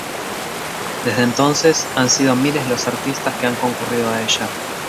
Desde entonces han sido miles los artistas que han concurrido a ella.